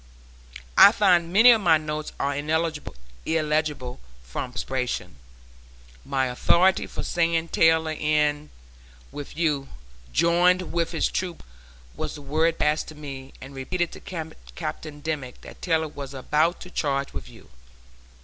I find many of my notes are illegible from perspiration. My authority for saying Taylor went in with you, "joined with his troop" was the word passed to me and repeated to Captain Dimmick that Taylor was about to charge with you.